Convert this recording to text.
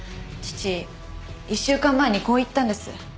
父１週間前にこう言ったんです。